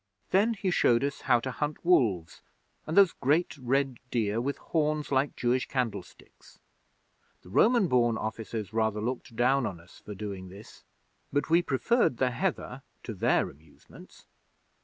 Then he showed us how to hunt wolves and those great red deer with horns like Jewish candlesticks. The Roman born officers rather looked down on us for doing this, but we preferred the heather to their amusements.